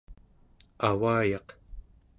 avayaq